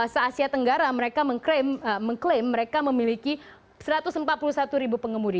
se asia tenggara mereka mengklaim mereka memiliki satu ratus empat puluh satu ribu pengemudi